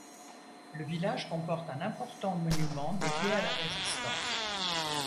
Le village comporte un important monument dédié à la Résistance.